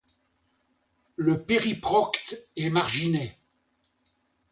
Le périprocte est marginé.